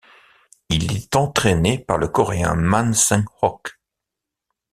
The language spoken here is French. Il est entraîné par le Coréen Man Sen-hok.